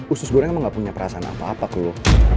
usus goreng emang gak punya perasaan apa apa ke loh